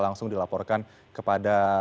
langsung dilaporkan kepada